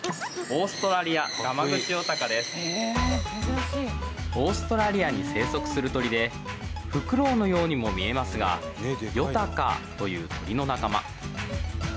オーストラリアに生息する鳥でフクロウのようにも見えますがヨタカという鳥の仲間